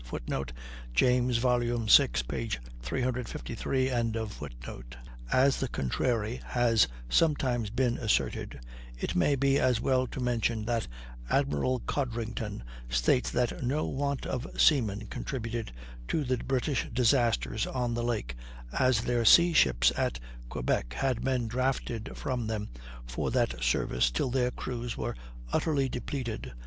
[Footnote: James, vi, 353.] As the contrary has sometimes been asserted it may be as well to mention that Admiral Codrington states that no want of seamen contributed to the British disasters on the lakes, as their sea ships at Quebec had men drafted from them for that service till their crews were utterly depleted.